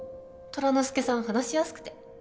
寅之介さん話しやすくて。